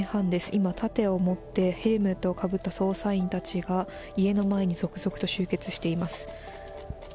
今、盾を持って、ヘルメットをかぶった捜査員たちが、家の前に続々と集結しています。